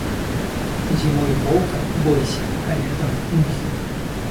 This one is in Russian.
Зимой волка бойся, а летом мухи.